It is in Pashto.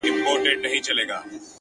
لږ دي د حُسن له غروره سر ور ټیټ که ته؛